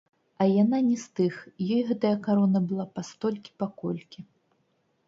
А яна не з тых, ёй гэтая карона была пастолькі-паколькі.